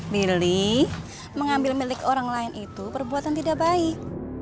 billy mengambil milik orang lain itu perbuatan tidak baik